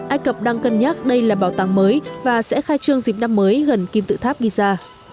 ai cập đang cân nhắc đây là bảo tàng mới và sẽ khai trương dịp năm mới gần kim tự tháp giza